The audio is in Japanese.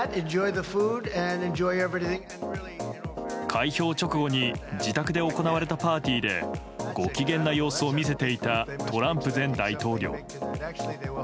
開票直後に自宅で行われたパーティーでご機嫌な様子を見せていたトランプ前大統領。